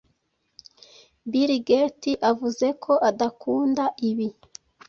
Billgeti avuze ko adakunda ibi.